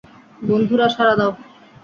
বন্ধুরা, সাড়া দাও।